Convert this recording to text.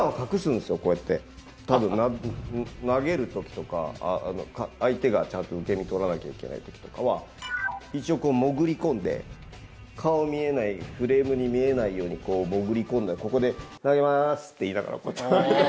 たぶん投げる時とか相手がちゃんと受け身取らなきゃいけない時とかは一応こう潜り込んで顔見えないフレームに見えないように潜り込んだここで「投げます」って言いながらこうやって。